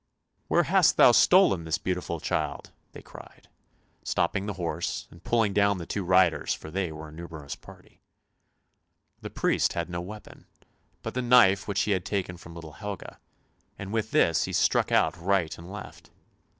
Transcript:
" Where hast thou stolen this beautiful child? " they cried, stopping the horse and pulling down the two riders, for they were a numerous party. The priest had no weapon but the knife which he had taken from little Helga, and with this he struck out right and left.